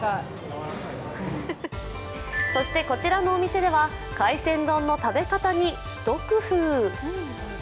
そしてこちらのお店では海鮮丼の食べ方にひと工夫。